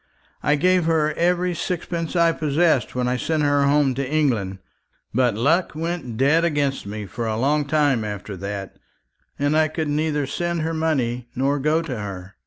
"I gave her every sixpence I possessed when I sent her home to England; but luck went dead against me for a long time after that, and I could neither send her money nor go to her.